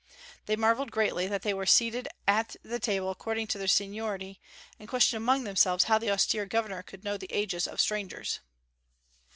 They marvelled greatly that they were seated at the table according to their seniority, and questioned among themselves how the austere governor could know the ages of strangers.